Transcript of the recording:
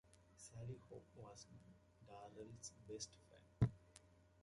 Sally Hope was Darrell's best friend.